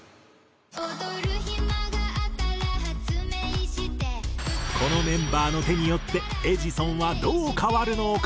「踊る暇があったら発明してえ」このメンバーの手によって『エジソン』はどう変わるのか？